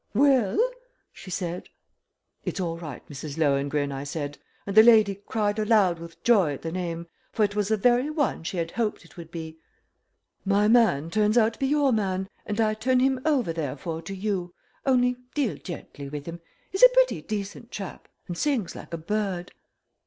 "Well?" she said. "It's all right, Mrs. Lohengrin," I said, and the lady cried aloud with joy at the name, for it was the very one she had hoped it would be. "My man turns out to be your man, and I turn him over therefore to you, only deal gently with him. He's a pretty decent chap and sings like a bird."